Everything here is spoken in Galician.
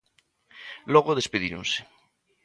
Logo despedíronse.